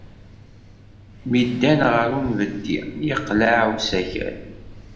Mi ddan ɣer unbeddi, yeqleɛ usakal.